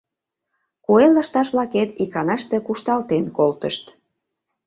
Куэ лышташ-влакет иканаште кушталтен колтышт.